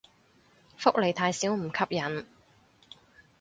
福利太少唔吸引